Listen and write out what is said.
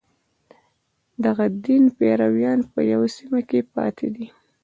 د دغه دین پیروان په یوه سیمه کې پاتې دي.